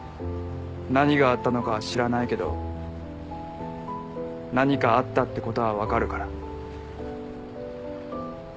何があったのかは知らないけど何かあったってことは分かるから。